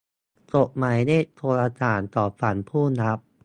กดหมายเลขโทรสารของฝั่งผู้รับ